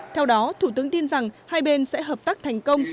theo đó thủ tướng tin rằng hai bên sẽ hợp tác thành công